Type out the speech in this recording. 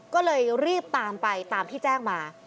ก็เลยรีบตามไปตามที่แจ้งมา